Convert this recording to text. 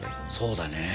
そうだね。